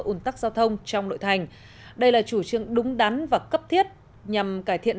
ủn tắc giao thông trong nội thành đây là chủ trương đúng đắn và cấp thiết nhằm cải thiện